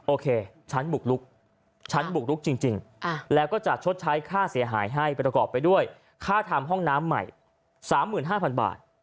โอเคฉันบุกลุกฉันบุกลุกจริงแล้วก็จะชดใช้ค่าเสียหายให้ประกอบไปด้วยค่าทำห้องน้ำใหม่๓๕๐๐๐บาท